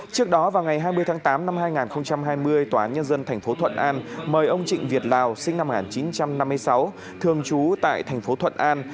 trước đó vào ngày hai mươi tháng tám năm hai nghìn hai mươi tòa án nhân dân tp thuận an mời ông trịnh việt lào sinh năm một nghìn chín trăm năm mươi sáu thường trú tại thành phố thuận an